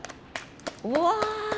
うわ。